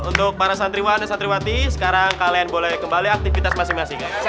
untuk para santriwan dan santriwati sekarang kalian boleh kembali aktivitas masing masing